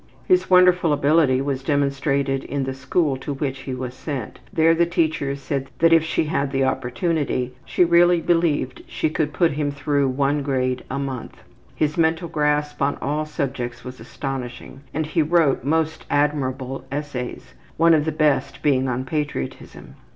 His wonderful ability was demonstrated in the school to which he was sent; there the teacher said that if she had the opportunity she really believed she could put him through one grade a month. His mental grasp on all subjects was astonishing and he wrote most admirable essays, one of the best being on patriotism.